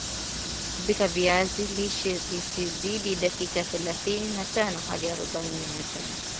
kupika viazi lishe isizidi dakika thelathini na tano hadi arobaini na tano